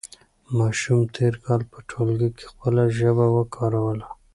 ماشوم تېر کال په ټولګي کې خپله ژبه کاروله.